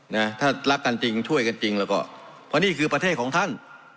นะถ้ารักกันจริงช่วยกันจริงแล้วก็เพราะนี่คือประเทศของท่าน